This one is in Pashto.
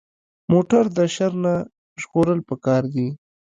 موټر د شر نه ژغورل پکار دي.